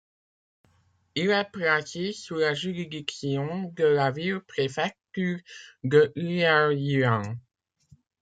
Il est placé sous la juridiction de la ville-préfecture de Liaoyuan.